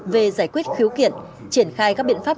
về giải quyết khiếu kiện triển khai các biện pháp